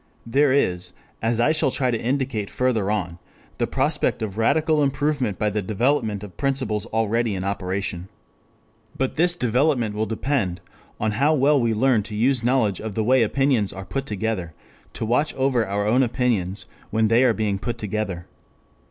There is, as I shall try to indicate further on, the prospect of radical improvement by the development of principles already in operation. But this development will depend on how well we learn to use knowledge of the way opinions are put together to watch over our own opinions when they are being put together.